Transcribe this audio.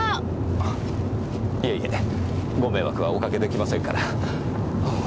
あいえいえご迷惑はおかけできませんから。